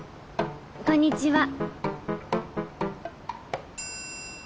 こんにちは。